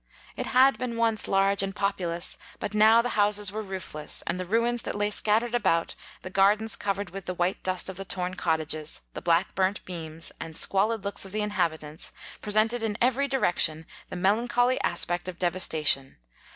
It had 23 been once large and populous, but now the houses were roofless, and the ruins that lay scattered about, the gardens covered with the white dust of the torn cottages, the black burnt beams, and squalid looks of the inhabitants, presented in every direction the me lancholy aspect of devastation.